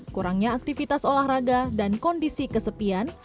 kurangnya aktivitas olahraga dan kondisi kesepian